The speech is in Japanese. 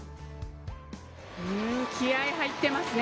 気合い入ってますね。